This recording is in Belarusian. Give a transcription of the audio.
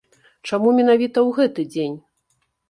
Чаму менавіта ў гэты дзень?